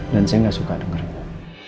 dan saya nggak suka dengarnya